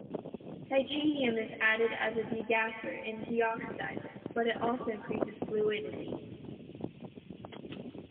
Titanium is added as a degasser and deoxidizer, but it also increases fluidity.